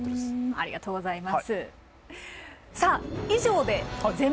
ありがとうございます。